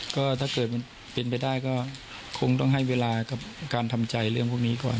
ก็ถ้าเกิดมันเป็นไปได้ก็คงต้องให้เวลากับการทำใจเรื่องพวกนี้ก่อน